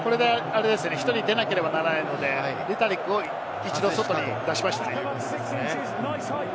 １人出なければならないので、レタリックを一度、外に出しました。